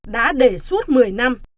đã đề xuất một mươi năm